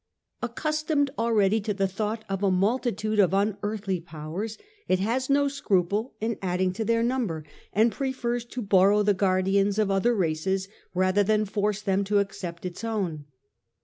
Accustomed suppie already to the thought of a multitude of un earthly powers, it has no scruple in adding creeds and to their number, and prefers to borrow the guardians of other races rather than force them to accept its own.